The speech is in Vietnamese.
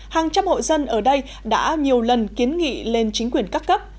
hàng trăm hộ dân ở đây đã nhiều lần kiến nghị lên chính quyền các cấp